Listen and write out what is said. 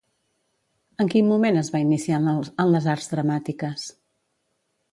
En quin moment es va iniciar en les arts dramàtiques?